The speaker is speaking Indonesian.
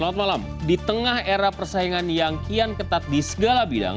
selamat malam di tengah era persaingan yang kian ketat di segala bidang